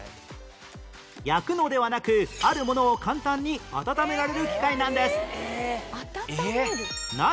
焼くのではなくあるものを簡単に温められる機械なんです